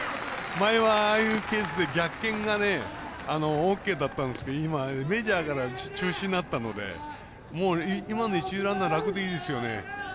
前はああいうケースで逆転はオーケーだったんですけど今、メジャーから中止になったので今の一、二塁ランナー楽でいいですよね。